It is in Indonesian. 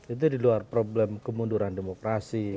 itu di luar problem kemunduran demokrasi